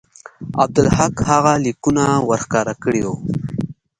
عبدالحق هغه لیکونه ورښکاره کړي وو.